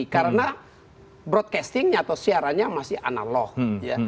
karena broadcasting atau siaranya masih analog